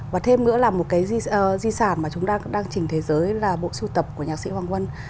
và thêm nữa là một cái di sản mà chúng ta đang trình thế giới là bộ sưu tập của nhạc sĩ hoàng vân